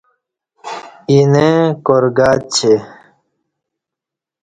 اینہ کار گاچی